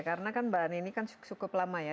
karena kan bahan ini kan cukup lama ya